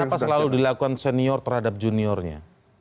kenapa selalu dilakukan senior terhadap juniornya